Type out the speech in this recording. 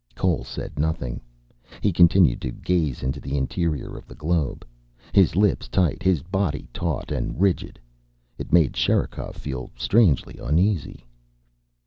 Cole said nothing. He continued to gaze into the interior of the globe, his lips tight, his body taut and rigid. It made Sherikov feel strangely uneasy.